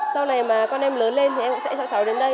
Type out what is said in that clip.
sau này mà con em lớn lên thì em cũng sẽ cho cháu đến đây